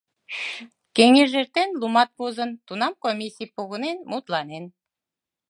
Кеҥеж эртен, лумат возын, тунам комиссий погынен, мутланен.